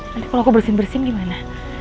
nanti kalau aku bersihin bersin gimana